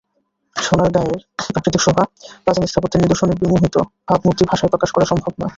সোনারগাঁয়ের প্রাকৃতিক শোভা, প্রাচীন স্থাপত্যের নিদর্শনের বিমোহিত ভাবমূর্তি ভাষায় প্রকাশ করা সম্ভব নয়।